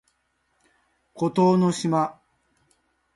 孤島の島